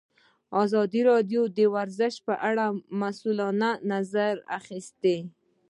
ازادي راډیو د ورزش په اړه د مسؤلینو نظرونه اخیستي.